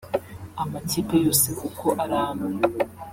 Amakipe yose uko ari ane